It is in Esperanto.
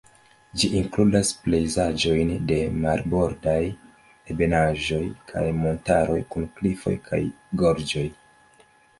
Ĝi inkludas pejzaĝojn de marbordaj ebenaĵoj kaj montaroj kun klifoj kaj gorĝoj.